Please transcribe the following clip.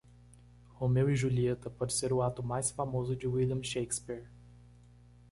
Romeu e Julieta pode ser o ato mais famoso de William Shakespeare.